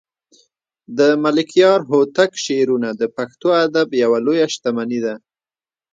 د ملکیار هوتک شعرونه د پښتو ادب یوه لویه شتمني ده.